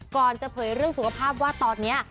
จะเผยเรื่องสุขภาพว่าตอนนี้